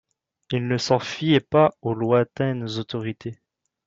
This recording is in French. Il ne s'en fiait pas aux lointaines autorités.